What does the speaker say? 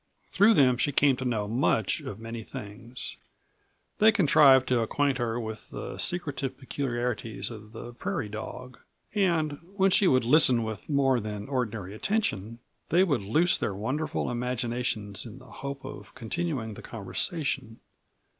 Through them she came to know much of many things. They contrived to acquaint her with the secretive peculiarities of the prairie dog, and when she would listen with more than ordinary attention they would loose their wonderful imaginations in the hope of continuing the conversation.